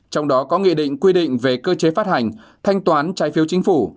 trong đó có nghị định quy định về cơ chế phát hành thanh toán trái phiếu chính phủ